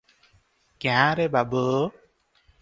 କ୍ୟାଁ ରେ ବାବୁ!